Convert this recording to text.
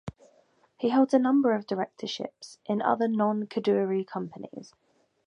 He holds a number of directorships in other non-Kadoorie companies.